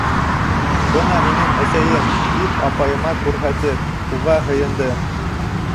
Бына минең әсәйем, — тип апайыма күрһәтеп, уға һыйынды.